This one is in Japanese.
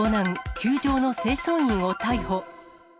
球場の清掃員を逮捕。